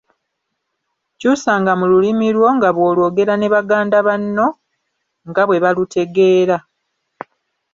Kyusanga mu lulimi lwo nga bw'olwogera ne Baganda banno nga bwe balutegeera.